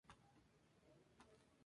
Cayó en la primera ronda.